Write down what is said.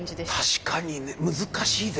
確かに難しいですよね。